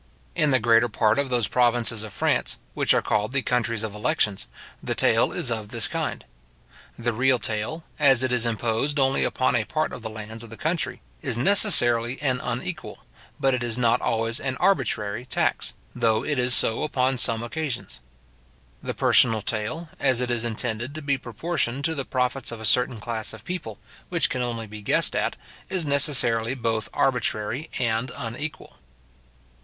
In the greater part of those provinces of France, which are called the countries of elections, the taille is of this kind. The real taille, as it is imposed only upon a part of the lands of the country, is necessarily an unequal, but it is not always an arbitrary tax, though it is so upon some occasions. The personal taille, as it is intended to be proportioned to the profits of a certain class of people, which can only be guessed at, is necessarily both arbitrary and unequal.